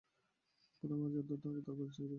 প্রথমে বাজার ধরতে হবে, তারপর একচেটিয়া ব্যবসা করবো।